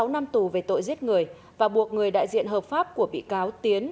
sáu năm tù về tội giết người và buộc người đại diện hợp pháp của bị cáo tiến